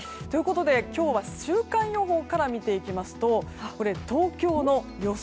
今日は週間予報から見ていきますと東京の予想